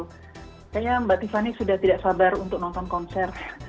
kayaknya mbak tiffany sudah tidak sabar untuk nonton konser